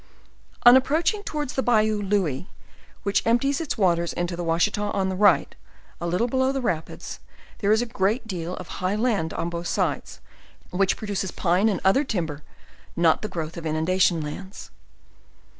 On approaching towards the bayou Louis, which empties its waters into the Washita on the right, a little below the rapids, there is a great deal of high land on both sides, which produces pine and other timber, not the growth of inundation lands.